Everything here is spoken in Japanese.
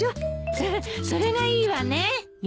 そっそれがいいわね。